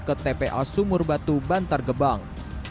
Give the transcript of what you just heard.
ke tpa sumur batu bantar gebang